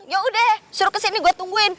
yaudah suruh kesini gua tungguin